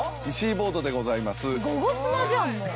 石井ボードでございます。